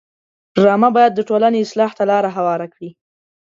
ډرامه باید د ټولنې اصلاح ته لاره هواره کړي